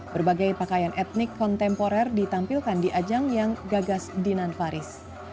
berbagai pakaian etnik kontemporer ditampilkan di ajang yang gagas dinan faris